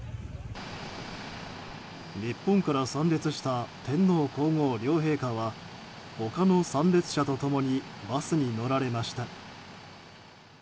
日本から参列した天皇・皇后両陛下は他の参列者と共にバスに乗られました。